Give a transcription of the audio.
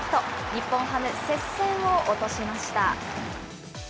日本ハム、接戦を落としました。